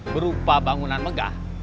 berupa bangunan megah